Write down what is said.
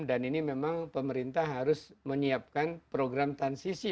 dan ini memang pemerintah harus menyiapkan program transisi